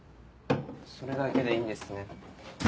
それだけでいいんですね。